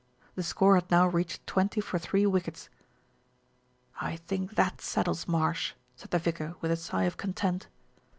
The score had now reached twenty for three wickets. "I think that settles Marsh," said the vicar with a sigh of content.